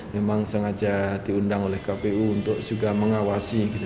memang sengaja diundang oleh kpu untuk juga mengawasi